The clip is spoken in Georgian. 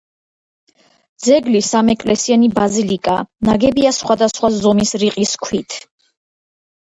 ძეგლი სამეკლესიანი ბაზილიკაა, ნაგებია სხვადასხვა ზომის რიყის ქვით.